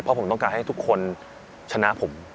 เพราะผมต้องการให้ทุกคนชนะผม